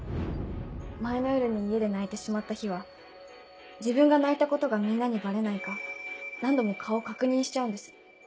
前の夜に家で泣いてしまった日は自分が泣いたことがみんなにバレないか何度も顔確認しちゃうんです。